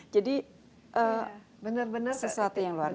jadi sesuatu yang luar biasa